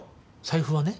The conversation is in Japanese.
財布はね。